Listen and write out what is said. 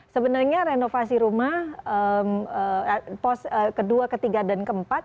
sebenarnya renovasi rumah pos kedua ketiga dan keempat